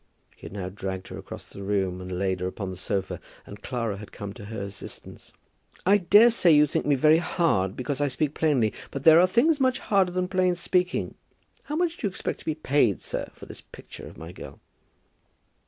He had now dragged her across the room, and laid her upon the sofa, and Clara had come to her assistance. "I daresay you think me very hard because I speak plainly, but there are things much harder than plain speaking. How much do you expect to be paid, sir, for this picture of my girl?"